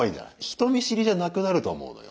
人見知りじゃなくなると思うのよ。